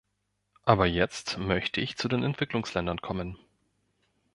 Aber jetzt möchte ich zu den Entwicklungsländern kommen.